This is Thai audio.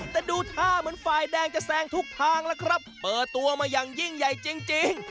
แต่ดูท่าเหมือนฝ่ายแดงจะแซงทุกทางแล้วครับเปิดตัวมาอย่างยิ่งใหญ่จริง